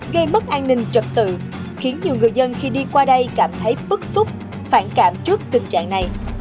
gây mất an ninh trật tự khiến nhiều người dân khi đi qua đây cảm thấy bức xúc phản cảm trước tình trạng này